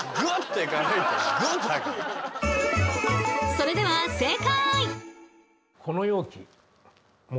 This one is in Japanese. それでは正解！